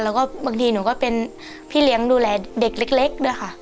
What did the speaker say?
แล้วก็บางทีหนูก็เป็นพี่เลี้ยงดูแลเด็กเล็กด้วยค่ะ